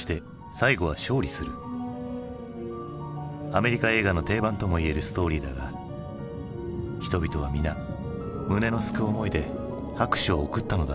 アメリカ映画の定番ともいえるストーリーだが人々は皆胸のすく思いで拍手を送ったのだろう。